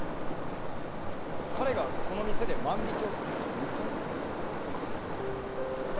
彼がこの店で万引をするのは２回目。